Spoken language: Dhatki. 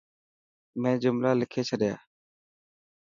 مين جملا لکي ڇڏيا.